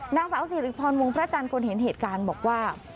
นางสาวสิริพรวงพระจันทร์คนเห็นเหตุการณ์บอกว่า